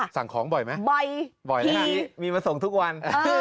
สั่งของบ่อยไหมบ่อยบ่อยมีมาส่งทุกวัน